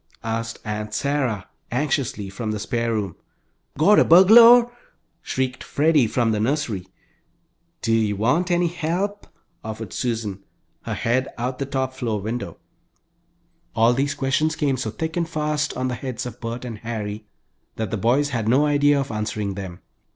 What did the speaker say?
asked Aunt Sarah, anxiously, from the spare room. "Got a burgulor?" shrieked Freddie, from the nursery. "Do you want any help?" offered Susan, her head out of the top floor window. All these questions came so thick and fast on the heads of Bert and Harry that the boys had no idea of answering them.